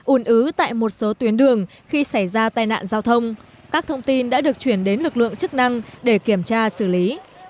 un ứ tại một số tuyến đường khi xảy ra tai nạn giao thông các thông tin đã được chuyển đến lực lượng chức năng để kiểm tra xử lý